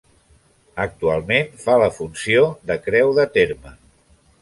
Actualment fa la funció de creu de terme.